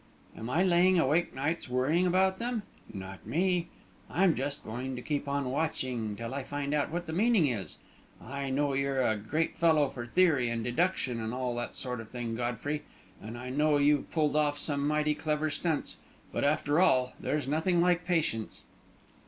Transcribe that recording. Am I laying awake nights worrying about them? Not me! I'm just going to keep on watching till I find out what the meaning is. I know you're a great fellow for theory and deduction, and all that sort of thing, Godfrey, and I know you've pulled off some mighty clever stunts; but, after all, there's nothing like patience."